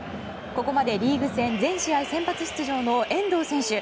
ここまで、リーグ戦全試合先発出場の遠藤選手。